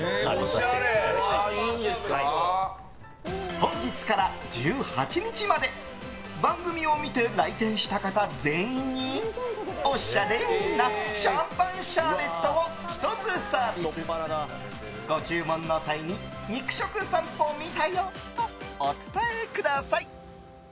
本日から１８日まで番組を見て来店した方全員におしゃれなシャンパンシャーベットを１つサービス！ご注文の際に肉食さんぽ見たよとお伝えください。